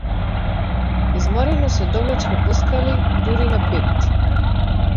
Изморено се довлечка по скали дури на петти.